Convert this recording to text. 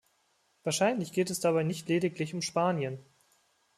Wahrscheinlich geht es dabei nicht lediglich um Spanien.